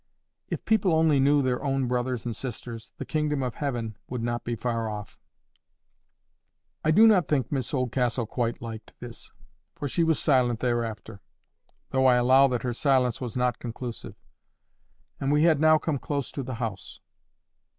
"If people only knew their own brothers and sisters, the kingdom of heaven would not be far off." I do not think Miss Oldcastle quite liked this, for she was silent thereafter; though I allow that her silence was not conclusive. And we had now come close to the house.